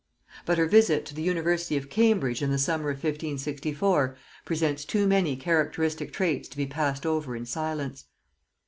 But her visit to the university of Cambridge in the summer of 1564 presents too many characteristic traits to be passed over in silence.